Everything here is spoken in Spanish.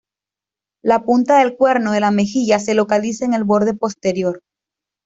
La punta del cuerno de la mejilla se localiza en el borde posterior.